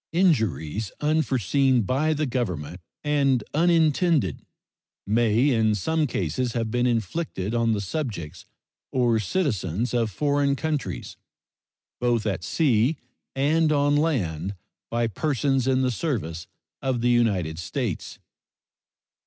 Injuries unforeseen by the Government and unintended may in some cases have been inflicted on the subjects or citizens of foreign countries, both at sea and on land, by persons in the service of the United States.